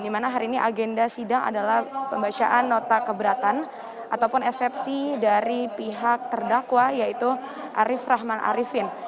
di mana hari ini agenda sidang adalah pembacaan nota keberatan ataupun eksepsi dari pihak terdakwa yaitu arief rahman arifin